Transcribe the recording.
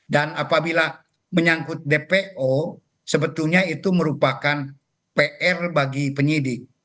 dan apabila menyangkut dpo sebetulnya itu merupakan pr bagi penyidik